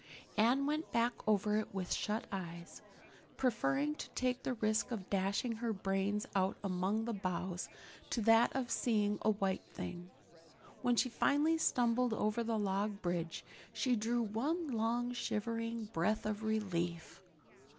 Anne went back over it with shut eyes, preferring to take the risk of dashing her brains out among the boughs to that of seeing a white thing. When she finally stumbled over the log bridge she drew one long shivering breath of relief.